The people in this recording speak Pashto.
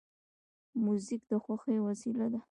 موزیک د خوښۍ وسیله ده.